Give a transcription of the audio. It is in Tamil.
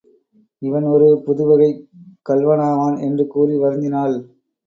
இவன் ஒரு புது வகைக் கள்வனாவான் என்று கூறி வருந்தினாள்.